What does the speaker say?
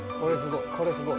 これすごい。